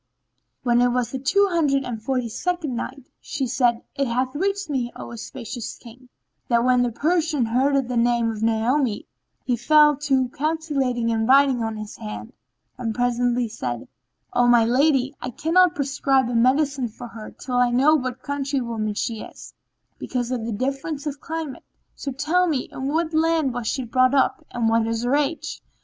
When it was the Two Hundred and Forty second Night, She said, It hath reached me, O auspicious King, that when the Persian heard the name of Naomi, he fell to calculating and writing on his hand and presently said, "O my lady, I cannot prescribe a medicine for her till I know what country woman she is, because of the difference of climate: so tell me in what land she was brought up and what is her age."